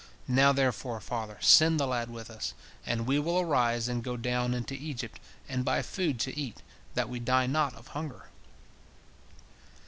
Now, therefore, father, send the lad with us, and we will arise and go down into Egypt, and buy food to eat, that we die not of hunger."